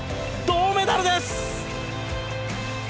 銅メダルです！